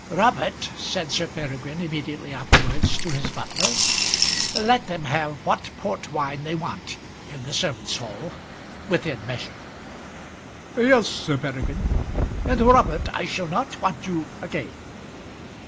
"Robert," said Sir Peregrine immediately afterwards to his butler, "let them have what port wine they want in the servants' hall within measure." "Yes, Sir Peregrine." "And Robert, I shall not want you again."